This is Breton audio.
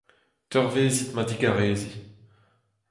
Teurvezit ma digareziñ.